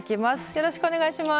よろしくお願いします。